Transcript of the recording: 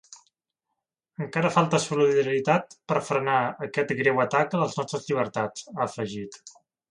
Encara falta solidaritat per frenar aquest greu atac a les nostres llibertats, ha afegit.